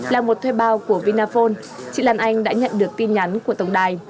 là một thuê bao của vinaphone chị lan anh đã nhận được tin nhắn của tổng đài